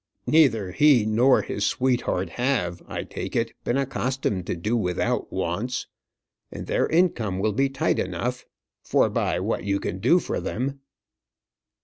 Neither he nor his sweetheart have, I take it, been accustomed to do without wants; and their income will be tight enough forby what you can do for them."